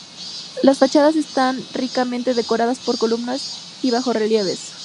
Las fachadas están ricamente decoradas por columnas y bajorrelieves.